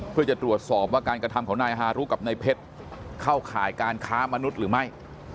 เพื่อจะตรวจสอบว่าการกระทำของนายฮารุกับนายเพชรเข้าข่ายการค้ามนุษย์หรือไม่